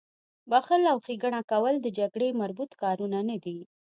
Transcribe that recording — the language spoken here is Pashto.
بخښل او ښېګڼه کول د جګړې مربوط کارونه نه دي